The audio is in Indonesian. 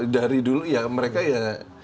dari dulu ya mereka ya